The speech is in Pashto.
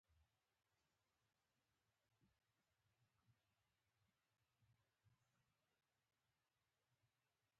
چې ورغلم په ملا یې ډب راکړ او نور یې وویل چې ځه.